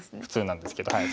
普通なんですけど。